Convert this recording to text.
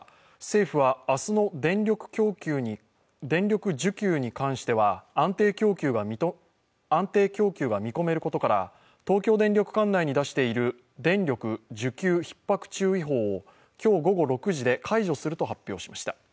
政府は明日の電力需給に関しては安定供給が見込めることから東京電力管内に出している電力需給ひっ迫注意報を今日午後６時で解除すると発表しました。